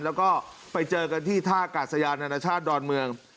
แล้วก็ไปเจอกันที่ท่ากาศยานานาชาติดอนเมือง